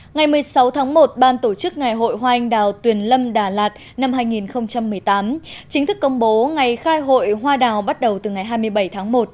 ngày một mươi sáu tháng một ban tổ chức ngày hội hoa anh đào tuyền lâm đà lạt năm hai nghìn một mươi tám chính thức công bố ngày khai hội hoa đào bắt đầu từ ngày hai mươi bảy tháng một